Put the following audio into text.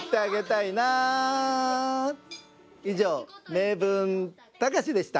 「名文たかし」でした。